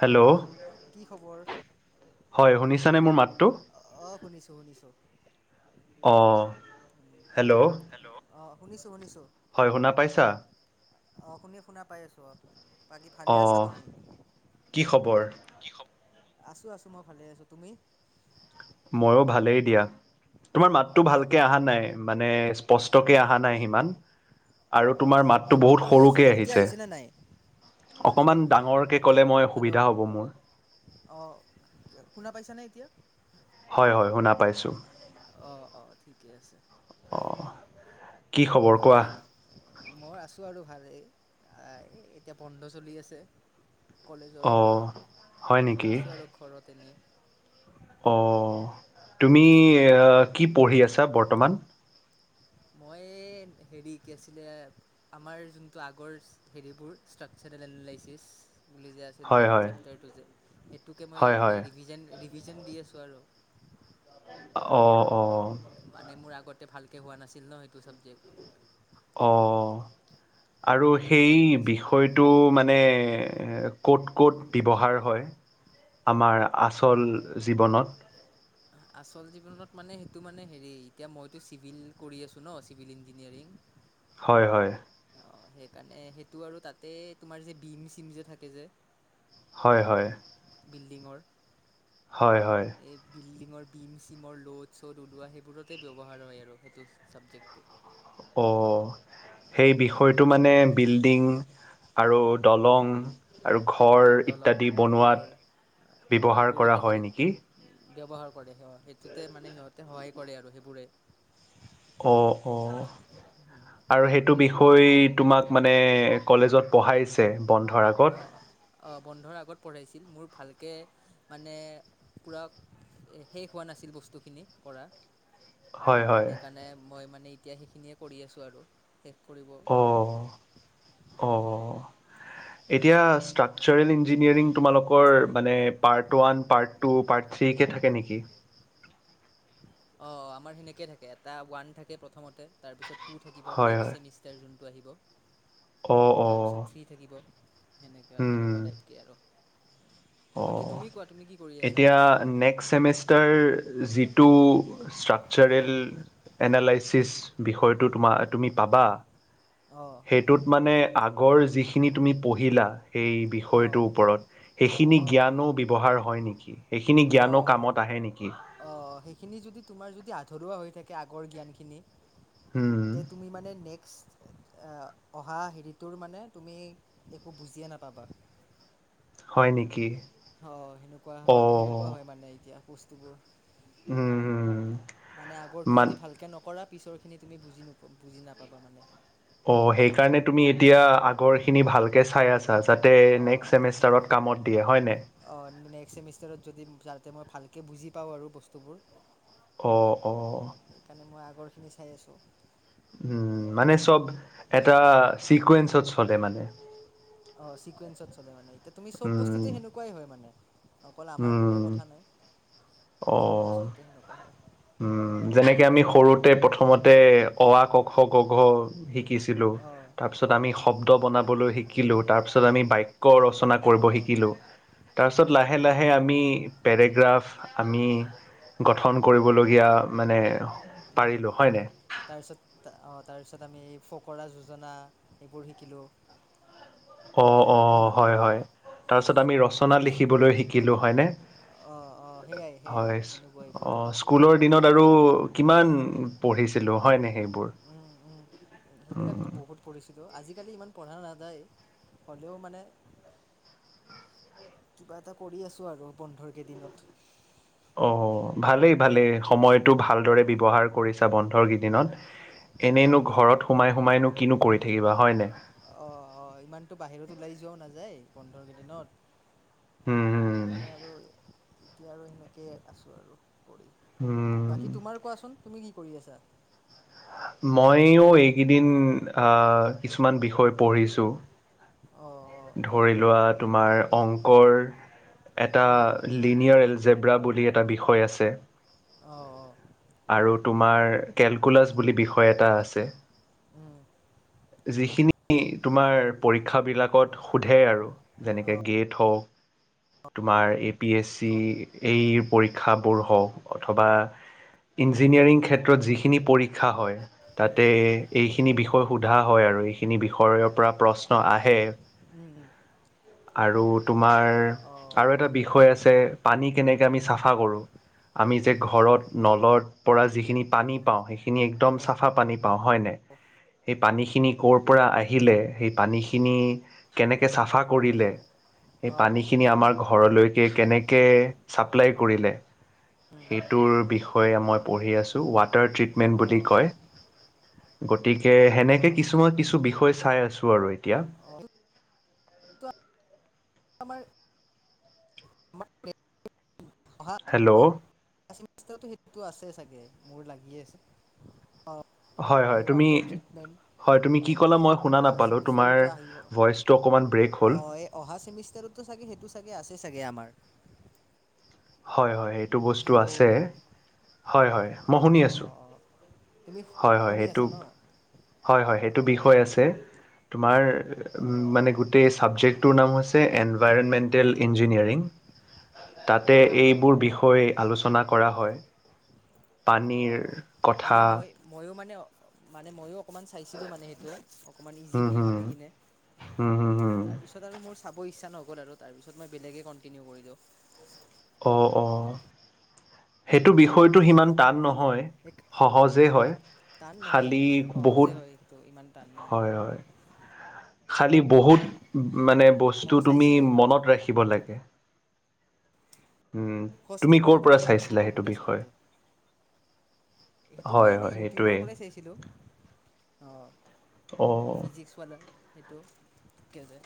Hello কি খবৰ? হয় শুনিছানে মোৰ মাতটো অঁ শুনিছোঁ শুনিছোঁ। অ হেল্ল' অ শুনিছোঁ শুনিছোঁ হয় শুনা পাইছা অ শুনি শুনা পাই আছো অ বাকী ফালে আছা অঁ তুমি কি খবৰ কি আছো আছো মই ভালে আছো তুমি ময়ো ভালেই দিয়া তোমাৰ মাততো অঁ ভালকে আহা নাই মানে স্পষ্ট কে অহা নাই সিমান আৰু তোমাৰ অঁ মাতটো মইতো বহুত কৈয়ে আছোঁ সৰুকে এতিয়া আহিছে আহিছেনে নাই? অকণমান ডাঙৰকে ক'লে মই হেল্ল' সুবিধা হ'ব মোৰ অঁ শুনা পাইছানে এতিয়া [inaudible] হয় হয় শুনা পাইছোঁ অ অ ঠিকেই আছে কি খবৰ কোৱা বাকী মই আছো আৰু ভালেই এতিয়া বন্ধ চলি আছে কলেজৰ অঁ হয় আছোঁ আৰু ঘৰত এনেই অ তুমি কি পঢ়ি আছা বৰ্তমান মই হেৰি কি আছিলে আমাৰ যোনটো আগৰ হেৰিবোৰ ষ্ট্ৰাকচাৰেল এনালাইচিছ বুলি যে আছিল যে হয় হয় চেপ্টাৰটো যে সেইটোকে মই হয় হয় এনেই ৰিভি ৰিভিজন দি আছোঁ আৰু। অ অ। মানে মোৰ আগতে ভালকৈ হোৱা নাছিল ন সেইটো ছাবজেক্ট অ। আৰু সেইকাৰণে সেই ৰিভিজন দি আছিলোঁ বিষয়টো মানে ক'ত ক'ত ব্যৱহাৰ হয়? আমাৰ আচল জীৱনত আচল জীৱনত মানে সেইটো মানে হেৰি এতিয়া মইতো চিভিল কৰি আছো ন, চিভিল ইঞ্জিনিয়াৰিং। হয় হয়। অ সেইকাৰণে, সেইটো আৰু তাতে তোমাৰ যে বিম চিম যে থাকে যে হয়, হয়। বিল্ডিঙৰ হয় হয় এই বিল্ডিংৰ ভীম চিমৰ ল'ড চ'ড ওলোৱা সেইবোৰতে ব্যৱহাৰ হয় আৰু সেইটো ছাবজেক্টটো অ সেই বিষয়টো মানে বিল্ডিং আৰু দলং আৰু ঘৰ অঁ দলং ইত্যাদি ঘৰ বনোৱাত অঁ ব্যৱহাৰ কৰা সেইবোৰতে হেল হয় নেকি? ব্যৱহাৰ কৰে, সি সেইটোতে মানে সিহঁতে সহায় কৰে আৰু সেইবোৰে অ, অ আৰু সেইটো বিষয় তোমাক মানে কলেজত পঢ়াইছে। বন্ধৰ আগত? অ, অ। বন্ধৰ আগত পঢ়াইছে। মোৰ ভালকে মানে পুৰা শেষ হোৱা নাছিল বস্তুখিনি কৰা। হয় হয় সেইকাৰণে মই মানে এতিয়া সেইখিনিয়ে কৰি আছোঁ আৰু। সেই কৰিব অ, মই। এতিয়া ষ্ট্ৰাকচাৰেল ইঞ্জিনিয়াৰিং তোমালোকৰ মানে part one, part two, part থ্ৰীকে থাকে নেকি? অ, আমাৰ সেনেকে থাকে। এটা ওৱান থাকে, প্ৰথমতে তাৰপিছত টু থাকিব হয় নেক্সট হয়। চেমিষ্টাৰ যোনটো আহিব। অ' অ' তাৰপিছত থ্ৰী থাকিব সেনেকুৱা আৰু সেনেকুৱা উম, টাইপ কে আৰু। অ, বাকী তুমি কোৱা তুমি কি কৰি আছা? এতিয়া নেক্সট চেমিষ্টাৰ যি টো ষ্ট্ৰাকচাৰেল এনালাইচিছ বিষয়টো তোমাৰ, তুমি পাবা। অ', সেইটোত মানে আগ আগৰ যিখিনি তুমি পঢ়িলা সেই অ', বিষয়টোৰ ওপৰত, অ', সেই অ', অ', জ্ঞানো ব্যৱহাৰ হয় নেকি? সেইখিনি জ্ঞানো অ', কামত আহে নেকি? অ', সেইখিনি যদি তোমাৰ যদি আধৰুৱা হৈ থাকে আগৰ জ্ঞানখিনি উম, তে তুমি মানে নেক্স অহা হেৰিটোৰ মানে তুমি একো বুজিয়ে নাপাবা। হয় নেকি? অ সেনেকুৱা মানে, সেনেকুৱা অ' হয় মানে এতিয়া। বস্তুবোৰ উম, মানে আগৰটো মান যদি ভালকে নকৰা পিছৰখিনি তুমি বুজি ন বুজি নাপাবা মানে অ সেইকাৰণে তুমি এতিয়া আগৰ খিনি ভালকে চাই আছা। যাতে অ', নেক্সট ছেমিষ্টাৰ কামত দিয়ে হয় নাই। অ', নেক্সট ছেমিষ্টাৰত যদি যাতে মই ভালকৈ বুজি পাওঁ আৰু বস্তুবোৰ অঁ অঁ খিনি চাই আছোঁ। উম মানে চব এটা চিকুৱেন্ঞ্চত চলে মানে অ চিকুৱেঞ্চত চলে মানে এতিয়া তুমি চব উম, বস্তুতে সেনেকুৱাই হয় মানে অকল আমাৰ বুলিয়ে উম, কথা নাই চব অ'। বস্তুতে সেনেকুৱা হয়। উম, যেনেকে আমি সৰুতে প্ৰথমতে অ আ ক খ ক খ গ শিকিছিলোঁ অঁ ক তাৰপিছত আমি শব্দ সেনেকুৱাই বনাবলৈ শিকিলোঁ তাৰপিছত আমি বাইক ৰচনা কৰিব অঁ শিকিলো তাৰপিছত লাহে লাহে লাহে আমি অঁ পেৰেগ্ৰাফ আমি গঠন কৰিবলগীয়া মানে পাৰিলোঁ হয়নে। তাৰপিছত অ তাৰপিছত আমি ফকৰা যোজনা এইবোৰ শিকিলোঁ। অ অ সেনেকেই মানে হয় হয় তাৰপিছত আমি চব ৰচনা বস্তু লিখিবলৈ শিকিলো হয়নে, অঁ অঁ সেয়াই সেয়াই হয় সেনেকুৱাই পূৰা স্কুলৰ দিনত আৰু কিমান পঢ়িছিলো হয় নাই সেইবোৰ উ সেইবিলাকতো বহুত পঢ়িছিলোঁ আজিকালি ইমান পঢ়া নাযায় হলেও মানে কিবা এটা কৰি আছো আৰু বন্ধৰ কেইদিনত অ ভালেই ভালেই সময়টো ভালদৰে ব্যৱহাৰ কৰিছা বন্ধৰ কেইদিনত অঁ এনেইনো ঘৰত সোমাই সোমাইনো কিনো কৰি থাকিবা হয় নাই। অ অ ইমানতো বাহিৰত ওলাই যোৱাও নাই যায় বন্ধৰ হুম কেইদিনত হুম সেইকাৰণে আৰু এতিয়া আৰু এনেকৈ আছোঁ আৰু হুম। বাকী তোমাৰ কোৱাচোন? তুমি কি কৰি আছা মইও এইকেইদিন আহ কিছুমান বিষয় পঢ়িছো অ অ', ধৰি লোৱা তোমাৰ অংকৰ এটা উম, লিনিয়াৰ এল জেব্ৰা বুলি এটা বিষয় আছে। অ', অ', আৰু তোমাৰ। কেলকুলাছ বুলি বিষয় এটা আছে। উম। যিখিনি তোমাৰ পৰীক্ষা বিলাকত। সোধে আৰু যেনেকে গেট হওক তোমাৰ এ পি এছ চি এইৰ পৰীক্ষাবোৰ হওক অথবা ইঞ্জিনিয়াৰিং ক্ষেত্ৰত যিখিনি পৰীক্ষা হয় উম, তাতে উম, উম, এইখিনি বিষয় সোধা হয় আৰু এইখিনি বিষয়ৰ পৰা প্ৰশ্ন আহে। উম। আৰু টো। তোমাৰ আৰু এটা অ', বিষয় আছে পানীক। কেনেকে আমি চাফা কৰোঁ আমি যে ঘৰত নলৰ পৰা যিখিনি পানী পাওঁ সেইখিনি একদম চাফা পানী। পাওঁ হয় নাই সেই পানীখি। খিনি ক'ৰ পৰা আহিলে সেই পানীখিনি। কেনেকে চাফা কৰিলে। সেই অ', অ', পানী খিনি আমাৰ ঘৰত। ঘৰলৈকে কেনেকে চাপ্লাই কৰিলে। উম, সেইটোৰ বিষয়। বিষয়ে মই পঢ়ি আছোঁ ৱাত। তাৰ ট্ৰিতমেন্ত বুলি অ', কয়। গোটেই। কে সেনেকে অ', কিছুমান কিছু বিষয় চাই আছোঁ। বাৰু এতিয়া। অ', সেইটো আমাৰ। হেল্ল'। সেইটতো সেইটোতো আছে চাগে মোৰ লাগিয়ে আছে অ। হয় হয় তুমি হয় তুমি কি ক'লা মই শুনা অহা নাপালোঁ তোমাৰ চেমিষ্টাৰতো আহিব ভইচটো অকমান ব্ৰেক হ'ল। সেইটো চাগে সেইটো চাগে আছে চাগে আমাৰ। হয় হয়। টো বস্তু হেল্ল' আছে হয় হয় অঁ অঁ মই অঁ তুমি আছা ন শুনি। অঁ তোমাৰ অঁ অঁ মানে গোটেই ছাবজেক্টটোৰ নাম হৈছে এনভাইৰেমেণ্টেল ইঞ্জিনিয়াৰিং। তে অঁ অঁ এইবোৰ অঁ বিষয় আলোচনাত। কৰা হয়। অঁ পানীৰ মানে কথা। মই ময়ো মানে মানে, মইয়োও। অকণমান চাইছিলোঁ মানে সেইটোৱে, অকণমান ইজি হুম বুলি হুম ভাবি কিনে হুম হুম হুম তাৰপিছত আৰু মোৰ চাব ইচ্ছা নগল। ল 'আৰু তাৰপিছত মই বেলেগেই কণ্টিনিউ কৰি দিওঁ। অ, অ। সেইটো বিষয়টো সিমান টান নহয়। হয়, এক সহজেই হয়। টান নহয় খালী বহুত সহজে হয় সেইটো ইমান টান নাই হয়, হয়। খালি বহুত মানে বস্তু ময়ো তুমি চাইছিলোঁ মনত ৰাখিব লাগে। উম, কষ্ট তুমি কৰ কৰিব পৰা লগা বস্তু চাইছিলা সেইটো বহুত আছে বিষয়? তাতে সেইটো মই হয় হয় এনেই ইউটিউবৰ সেইটোৱেই পৰাই চাইছিলোঁ। অঁ, অঁ ফিজিক্সৱালাৰ। সেইটো ঠিকে যে।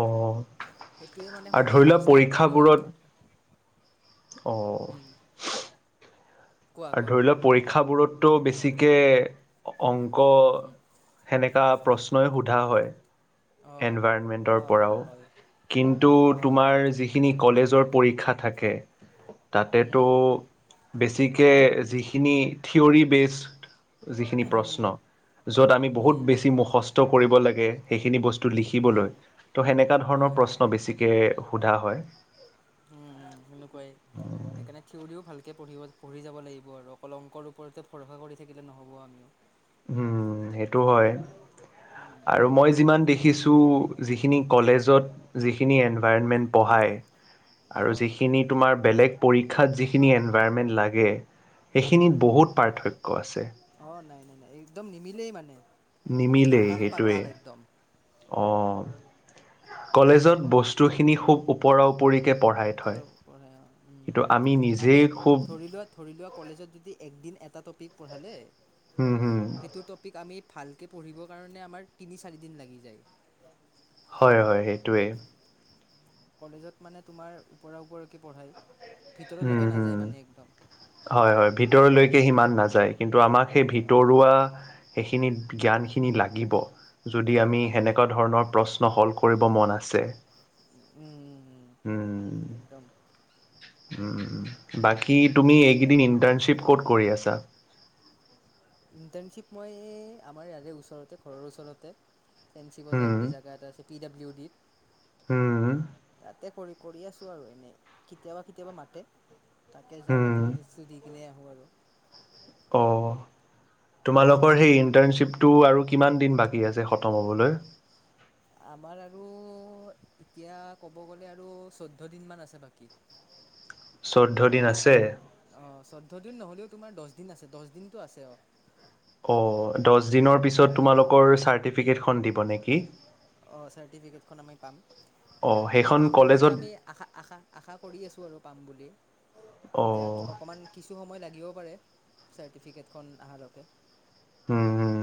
অ, আৰু সহজ ধৰি লোৱা সহজতাইত লাগিল আগৰ পৰীক্ষাবোৰত অ উম কোৱা আৰু কোৱা ধৰি লোৱা পৰীক্ষাবোৰত টো বেছিকে অংক উম সেনেকা প্ৰশ্নই, সোধা হয়। অ এনভাইৰণমেন্টৰ অ অ পৰাও হয় কিন্তু, অ অ তোমাৰ যিখিনি কলেজৰ পৰীক্ষা থাকে উম তাতেতো বেছিকে যিখিনি থিয়ৰী বেছ যিখিনি উম প্ৰশ্ন য'ত, আমি বহুত উম বেছি মুখস্থ কৰিব লাগে। সেইখিনি বস্তু হয় লিখিবলৈ হয় ত সেনেকোৱা হয় হয় ধৰণৰ হয় বেছিকে সোধা হয়। উম, উম', সেনেকুৱাই মানে থিয়ৰিও ভালকে পঢ়িব পঢ়ি যাব লাগিব আৰু অকল অংকৰ ওপৰত ভৰসা কৰি থাকিলে নহ'ব আমিও। উম', সেইটো হয় আৰু মই যিমান দেখি খিছোঁ, যিখিনি কলেজত যিখিনি এনভাইৰণমেণ্ট পঢ়ায় আৰু অঁ যিখিনি তোমাৰ বেলেগ পৰীক্ষাত যিখিনি এনভাইৰমেণ্ট লাগে সেইখিনিত বহুত পাৰ্থক্য আছে। অঁ নাই নাই একদম নিমিলেই মানে। নিমিলেই, আকাশ সেইটোৱে। পাতাল একদম অঁ', কলেজত বস্তুখিনি খুব ওপৰা-ওপৰিকে ওপৰৰ পৰা উম আমি মানে নিজেই খুব ধৰি লোৱা ধৰি লোৱা কলেজত যদি একদিন এ এটা টপিক পঢ়ালে হুম হুম সেইটো টপিক আমি ভালকৈ পঢ়িবৰ কাৰণে আমাৰ তিনি চাৰিদিন লাগি যায়। হয়, হয়। সেইটোৱেই। কলেজত মানে তোমাৰ ওপৰা ওপৰেকে পঢ়ায়। উম ভিতৰলৈকে নাযায় হম মানে একদম। হয় হয় ভিতৰলৈকে সিমান নাযায় কিন্তু আমাক সেই নাযায় অ'। ভিতৰুৱা হে। খিনিত জ্ঞানখিনি লাগিব। যদি অঁ আমি লাগিব। সেনেকুৱা ধৰণৰ প্ৰচ ন হল কৰিব মন আছে। উম উম উম একদম উম উম উম বাকী। কি তুমি সেয়াই এইকেইদিন আৰু। ইণ্টাৰ্ণশ্বিপ ক'ত কৰি আছা ইণ্টাৰণশ্বিপ মই আমাৰ ইয়াতে ওচৰতে কৰো ওচৰতে। ফেঞ্চি বজাৰৰ হুম বুলি জোগা এটা আচে। পি ডাব্লিউ ডিত। হুম তাতে কৰি কৰি আছো আৰু এনেই কেতিয়াবা কেতিয়াবা মাতে তাকে যাও হুম এতেন নিশ্চ দি কিনে আহোঁ আৰু। অ' তোমালোকৰ সেই ইটাৰশ্বিপ টো আৰু কিমান দিন বাকী আছে খতম হ'বলৈ। আমাৰ আৰু এতিয়া ক'ব গ'লে আৰু চৈয়দ দিন মমান আছে বাকী। চৈধ্য দিন আছে অ চৈধ্য় দিন নহলেও তোমাৰ দহ দিন আছে দহ দিনতটো আছে অ। অ টিকেটখন দিব নেকি? অ চাৰ্টিফিকেটখন আমি পাম অ মানে সেইখন পাম বুলিতো কলেজত আমি আশা আশা আশা কৰি আছোঁ আৰু পাম বুলি এতিয়া অ অকমান কিছু সময় লাগিব চাৰ্টিফিকেটখন আহা লকে হুম হুম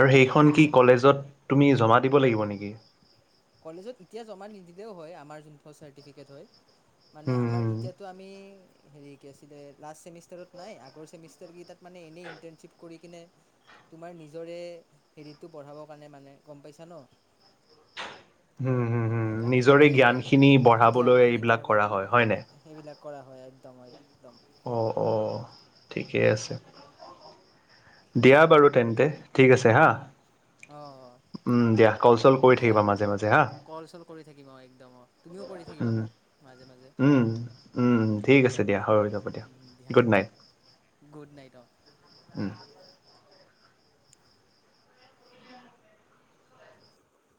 আৰু সেইখন কি কলেজত তুমি জমা দিব লাগিব নেকি কলেজত এতিয়া জমা নিদিলেও হয় আমাৰ যোন চ্টিফিকেট হয় মানে হুম আমাৰ হুম এতিয়াতো আমি হেৰি কি আছিলে লাষ্ট চেমিষ্টাৰত নাই আগৰ চেমিষ্টাৰ কি তাত মানে এনেই ইণ্টাৰণশ্বিপ কৰি কিনে তোমাৰ নিজৰে হেৰিটো বঢ়াবৰ কাৰণে মানে গম পাইছা ন। হম হম হম সেইকাৰণে নিজৰে মানে জ্ঞান খিনি বঢ়াবলৈ জ্ঞানখিনি এইবিলাক বঢ়াবৰ কৰা কাৰণে হয় হয় ন। সেইবিলাক কৰা হয় একদম একদম। অ অ। ঠিকেই আছে। দিয়া বাৰু তেন্তে ঠিক আছে হা উম, অঁ উম দিয়া কলচল কৰি দিয়া থাকিবা মাজে মাজে হা। কল চল কৰি থাকিম অঁ একদম অঁ তুমিও কৰি থাকিবা উম মোক মাজে- মাজে উম উম ঠিক দিয়া আছে হৈ যাব দিয়া গুড নাইট গুড নাইট অঁ। উম